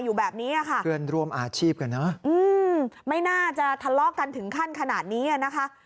อยู่แบบนี้ค่ะเพื่อนร่วมอาชีพกันเนอะไม่น่าจะทะเลาะกันถึงขั้นขนาดนี้อ่ะนะคะ